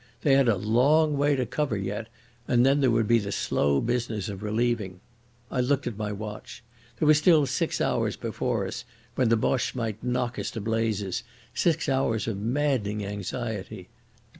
They had a long way to cover yet, and then there would be the slow business of relieving. I looked at my watch. There were still six hours before us when the Boche might knock us to blazes, six hours of maddening anxiety....